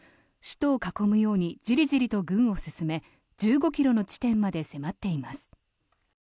首都を囲むようにじりじりと軍を進め１５ｋｍの地点まで迫っています。